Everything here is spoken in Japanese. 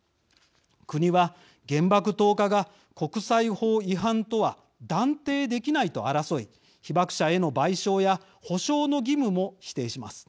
国は、原爆投下が国際法違反とは断定できないと争い被爆者への賠償や補償の義務も否定します。